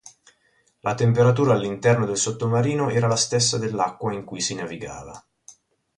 La temperatura all'interno del sottomarino era la stessa dell'acqua in cui si navigava.